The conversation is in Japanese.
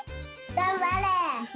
がんばる！